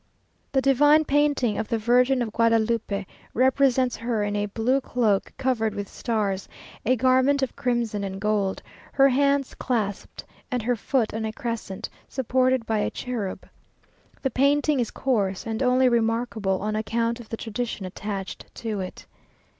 The divine painting of the Virgin of Guadalupe, represents her in a blue cloak covered with stars, a garment of crimson and gold, her hands clasped, and her foot on a crescent, supported by a cherub. The painting is coarse, and only remarkable on account of the tradition attached to it.